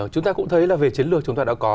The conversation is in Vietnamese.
chúng ta cũng thấy là về chiến lược chúng ta đã có